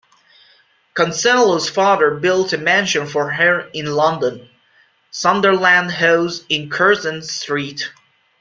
Consuelo's father built a mansion for her in London, Sunderland House in Curzon Street.